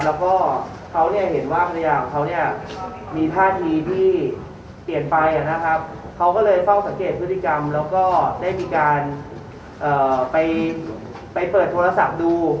แล้วก็เขาเนี่ยเห็นว่าภรรยาของเขาเนี่ยมีท่าทีที่เปลี่ยนไปนะครับเขาก็เลยเฝ้าสังเกตพฤติกรรมแล้วก็ได้มีการไปเปิดโทรศัพท์ดู